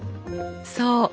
そう。